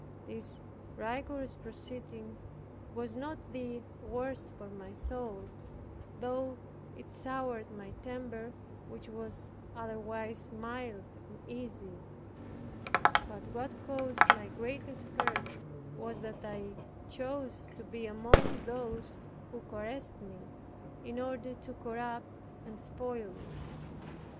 This rigorous proceeding was not the worst for my soul, though it soured my temper, which was otherwise mild and easy. But what caused my greatest hurt was, that I chose to be among those who caressed me, in order to corrupt and spoil me.